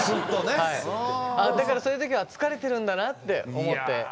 だからそういう時は疲れてるんだなって思って。